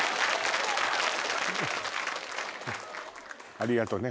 ありがとね